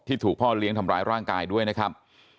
ถูกพ่อเลี้ยงทำร้ายร่างกายด้วยนะครับ